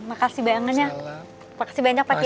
makasih banyak pak kiai